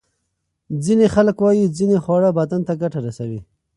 ځینې خلک وايي ځینې خواړه بدن ته ګټه رسوي.